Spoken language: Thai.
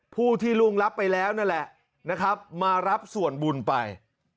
ผู้ที่รุงรับไปแล้วนั่นแหละมารับส่วนบุญไป